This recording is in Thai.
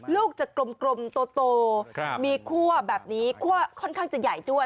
ลูกจะกลมโตมีคั่วแบบนี้คั่วค่อนข้างจะใหญ่ด้วย